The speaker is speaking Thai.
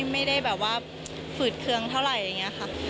ไม่ได้ฝืดเคืองเท่าไรอย่างนี้ค่ะ